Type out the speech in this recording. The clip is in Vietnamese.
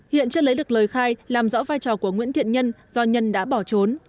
hiện chưa lấy được lời khai làm rõ vai trò của nguyễn thiện nhân do nhân đã bỏ trốn